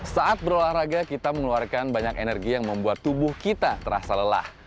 saat berolahraga kita mengeluarkan banyak energi yang membuat tubuh kita terasa lelah